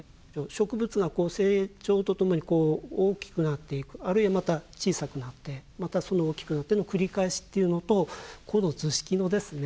植物が成長とともに大きくなっていくあるいはまた小さくなってまた大きくなっての繰り返しっていうのとこの図式のですね